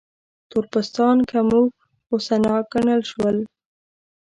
تور پوستان کم هوښ، غوسه ناک ګڼل شول.